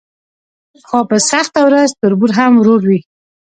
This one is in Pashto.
خو په سخته ورځ تربور هم ورور وي.